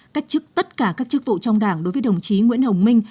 cách chức tất cả các chức vụ trong đảng đối với đồng chí nguyễn hồng minh